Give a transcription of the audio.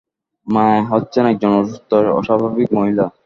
মা হচ্ছেন একজন অসুস্থ, অস্বাভাবিক মহিলা।